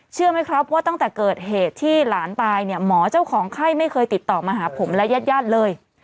เชื่อไหมครับว่าตั้งแต่เกิดเหตุที่หลานตายเนี่ยหมอเจ้าของไข้ไม่เคยติดต่อมาหาผมและญาติญาติเลย